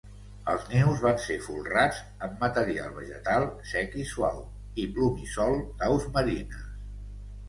Els nius van ser folrats amb material vegetal sec i suau i plomissol d'aus marines.